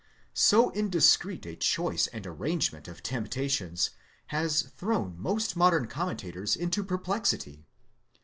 So indiscreet a choice and arrangement of temptations has thrown most modern commentators into perplexity.